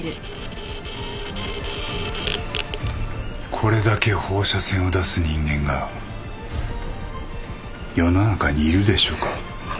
これだけ放射線を出す人間が世の中にいるでしょうか。